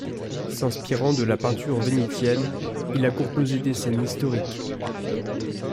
S'inspirant de la peinture vénitienne, il a composé des scènes historiques.